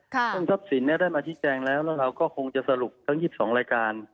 ซึ่งทรัพย์สินได้มาชี้แจงแล้วแล้วเราก็คงจะสรุปทั้ง๒๒รายการ